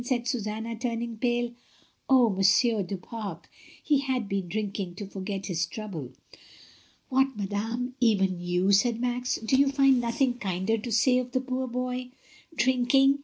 said Susanna, turning pale. "Oh! Mon sieur du Pare, he had been drinking to forget his trouble!" "What, madame, even you," said Max, "do you find nothing kinder to say of the poor boy ? Drink ing